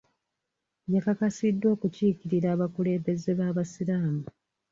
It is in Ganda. Yakakasiddwa okukiikirira abakulembeze b'abasiraamu.